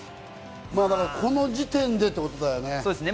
この時点でってことだよね。